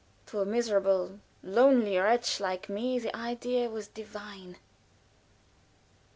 To a miserable, lonely wretch like me, the idea was divine.